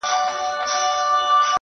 تا سالو زما له منګولو کشولای؛